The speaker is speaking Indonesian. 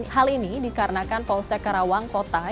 hal ini dikarenakan polsek karawang kota